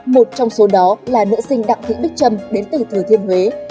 một trong số đó là nữ sinh đặng thị bích trâm đến từ thừa thiên huế